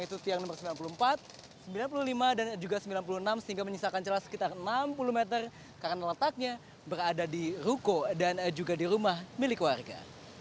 yaitu tiang nomor sembilan puluh empat sembilan puluh lima dan juga sembilan puluh enam sehingga menyisakan celah sekitar enam puluh meter karena letaknya berada di ruko dan juga di rumah milik warga